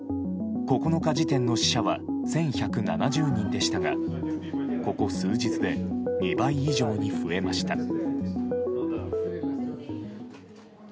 ９日時点の死者は１１７０人でしたがここ数日で２倍以上に増えました。